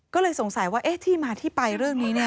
ก็เลยสงสัยว่าเอ๊ะที่มาที่ไปเรื่องนี้เนี่ย